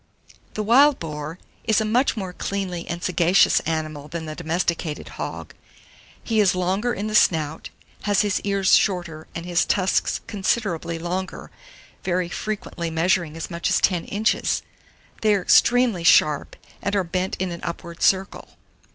THE WILD BOAR is a much more cleanly and sagacious animal than the domesticated hog; he is longer in the snout, has his ears shorter and his tusks considerably longer, very frequently measuring as much as 10 inches. They are extremely sharp, and are bent in an upward circle.